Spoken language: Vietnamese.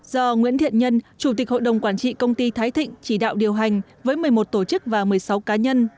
do nguyễn thiện nhân chủ tịch hội đồng quản trị công ty thái thịnh chỉ đạo điều hành với một mươi một tổ chức và một mươi sáu cá nhân